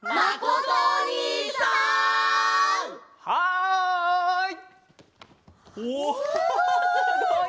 はい！